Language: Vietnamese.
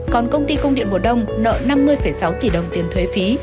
còn công ty cung điện mùa đông nợ năm mươi sáu tỷ đồng tiền thuế phí